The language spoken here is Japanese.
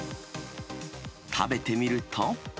食べてみると。